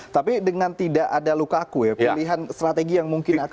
tapi dengan tidak ada lukaku ya pilihan strategi yang mungkin akan